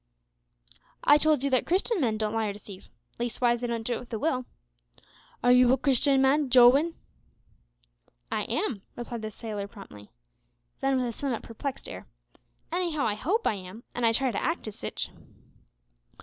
"I told you that Christian men don't lie or deceive leastwise they don't do it with a will." "Are you a Christian man, Jowin?" "I am," replied the sailor promptly. Then with a somewhat perplexed air, "Anyhow I hope I am, an' I try to act as sitch."